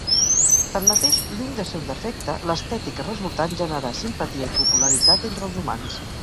Tanmateix, lluny de ser un defecte, l'estètica resultant generà simpatia i popularitat entre els humans.